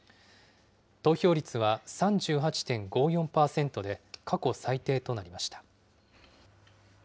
投票率は３８．５４％で、過去最低となりました。